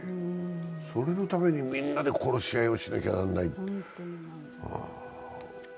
それのためにみんなで殺し合いをしなきゃなんない。